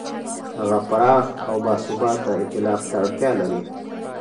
هغه پراخ او باثباته ایتلاف ته اړتیا لري.